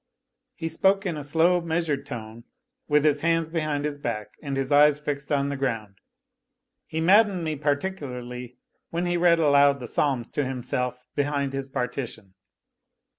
He spoke in a slow, measured tone, with his hands behind his back and his eyes fixed on the ground. He maddened me particularly when he read aloud the psalms to himself behind his partition.